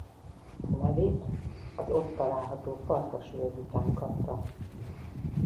Nevét az ott található Farkas-völgy után kapta.